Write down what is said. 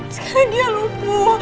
sekarang dia lupu